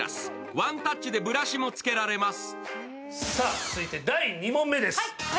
ワンタッチでブラシもつけられます。